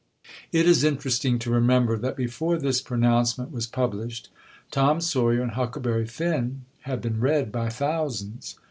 It is interesting to remember that before this pronouncement was published, Tom Sawyer and Huckleberry Finn had been read by thousands.